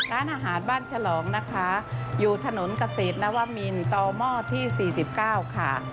ร้านอาหารบ้านฉลองนะคะอยู่ถนนเกษตรนวมินต่อหม้อที่๔๙ค่ะ